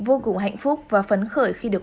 vô cùng hạnh phúc và phấn khởi khi được